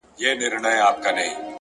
د باران لومړی څاڅکی تل ځانګړی احساس لري